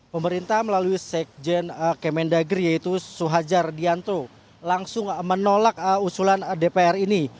pemerintah melalui sekjen kemendagri yaitu suhajar dianto langsung menolak usulan dpr ini